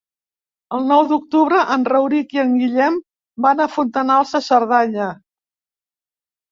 El nou d'octubre en Rauric i en Guillem van a Fontanals de Cerdanya.